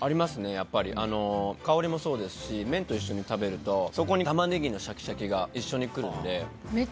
やっぱりあの香りもそうですし麺と一緒に食べるとそこにタマネギのシャキシャキが一緒にくるので。